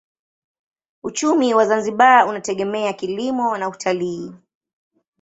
Uchumi wa Zanzibar unategemea kilimo na utalii.